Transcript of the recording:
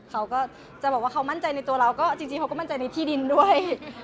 เขาก็จะบอกว่าเขามั่นใจในตัวเราก็จริงเขาก็มั่นใจในที่ดินด้วย